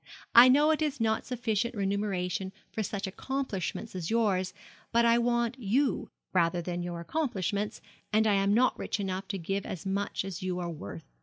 'I know it is not sufficient remuneration for such accomplishments as yours, but I want you rather than your accomplishments and I am not rich enough to give as much as you are worth.